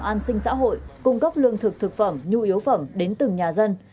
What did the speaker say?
an sinh xã hội cung cấp lương thực thực phẩm nhu yếu phẩm đến từng nhà dân